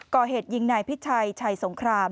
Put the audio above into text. ก่อเหตุยิงนายพิชัยชัยสงคราม